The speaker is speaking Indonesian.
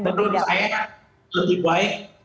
menurut saya lebih baik